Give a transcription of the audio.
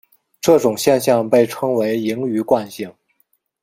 这种现象被称为盈余惯性。